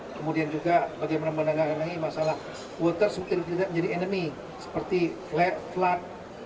kemudian juga bagaimana menangani masalah water sebetulnya tidak menjadi enemy seperti flood